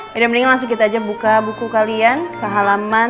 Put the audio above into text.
ya udah mending langsung kita aja buka buku kalian ke halaman delapan belas